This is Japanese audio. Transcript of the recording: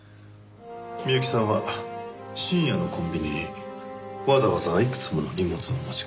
美由紀さんは深夜のコンビニにわざわざいくつもの荷物を持ち込んだ。